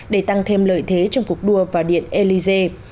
để tăng thêm lợi thế trong cuộc đua vào điện élysée